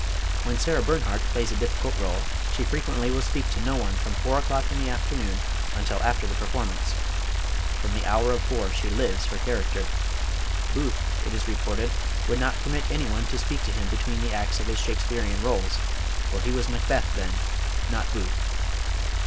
When Sarah Bernhardt plays a difficult role she frequently will speak to no one from four o'clock in the afternoon until after the performance. From the hour of four she lives her character. Booth, it is reported, would not permit anyone to speak to him between the acts of his Shakesperean rôles, for he was Macbeth then not Booth.